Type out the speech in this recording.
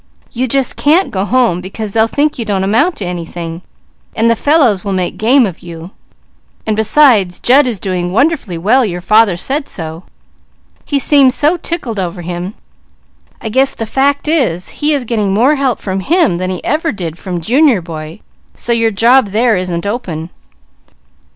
You just can't go home, because they'll think you don't amount to anything; the fellows will make game of you, and besides Jud is doing wonderfully well, your father said so. He seemed so tickled over him, I guess the fact is he is getting more help from him that he ever did from Junior boy, so your job there isn't open.